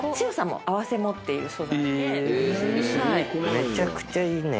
めちゃくちゃいいね。